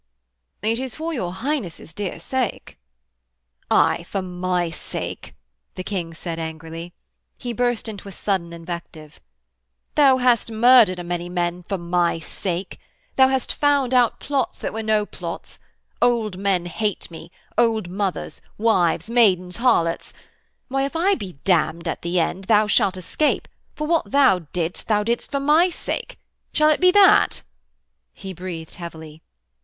'It is for your Highness' dear sake.' 'Aye, for my sake,' the King said angrily. He burst into a sudden invective: 'Thou hast murdered a many men ... for my sake. Thou hast found out plots that were no plots: old men hate me, old mothers, wives, maidens, harlots.... Why, if I be damned at the end thou shalt escape, for what thou didst thou didst for my sake? Shall it be that?' He breathed heavily.